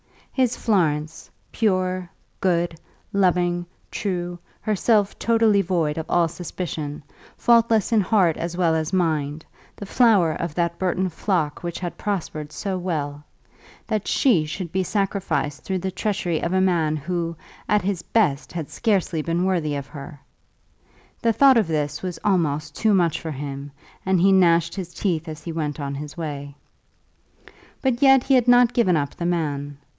His Florence, pure, good, loving, true, herself totally void of all suspicion, faultless in heart as well as mind, the flower of that Burton flock which had prospered so well, that she should be sacrificed through the treachery of a man who, at his best, had scarcely been worthy of her! The thought of this was almost too much for him, and he gnashed his teeth as he went on his way. But yet he had not given up the man.